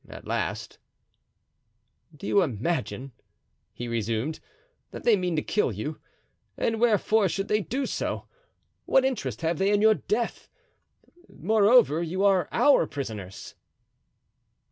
At last: "Do you imagine," he resumed, "that they mean to kill you? And wherefore should they do so? What interest have they in your death? Moreover, you are our prisoners."